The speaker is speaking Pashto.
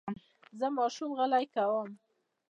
زه ماشوم غلی کوم.